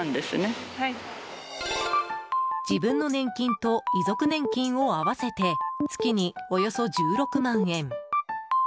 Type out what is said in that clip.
自分の年金と遺族年金を合わせて月におよそ１６万円。